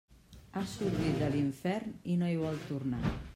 Ha sortit de l'infern i no hi vol tornar.